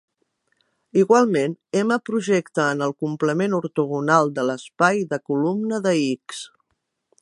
Igualment, "M" projecta en el complement ortogonal de l'espai de columna de "X".